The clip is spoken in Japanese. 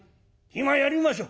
暇やりましょう」。